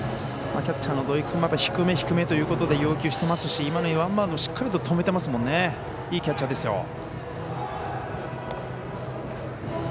キャッチャーの土肥君も低め低めということで要求していますし今のワンバウンドしっかり止めていましていいキャッチャーですよ。